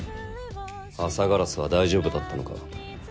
朝烏は大丈夫だったのか？